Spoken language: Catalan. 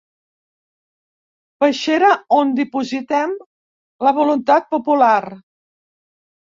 Peixera on dipositem la voluntat popular.